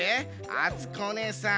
あつこおねえさん